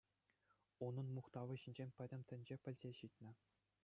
Унӑн мухтавӗ ҫинчен пӗтӗм тӗнче пӗлсе ҫитнӗ.